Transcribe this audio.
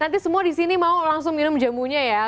nanti semua di sini mau langsung minum jamunya ya